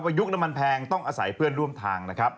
ยุคน้ำมันแพงต้องอาศัยเพื่อนร่วมทางนะครับ